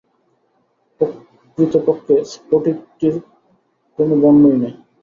প্রকতপক্ষে স্ফটিকটির কোন বর্ণই নাই।